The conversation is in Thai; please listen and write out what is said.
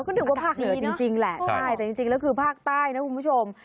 โอ้โฮประกาศดีเนอะใช่แล้วคือภาคใต้นะคุณผู้ชม